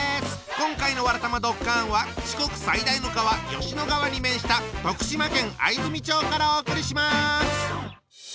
今回の「わらたまドッカン」は四国最大の川吉野川に面した徳島県藍住町からお送りします！